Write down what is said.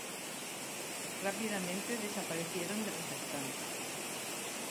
Rápidamente desaparecieron de los estantes.